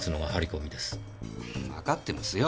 わかってますよ